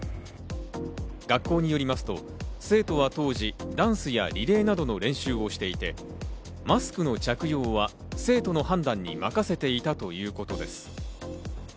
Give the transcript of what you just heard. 学校によりますと、生徒は当時、ダンスやリレーなどの練習をしていて、マスクの着用は生徒の判断に任せていたということです。